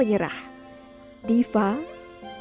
untuk melihatitos and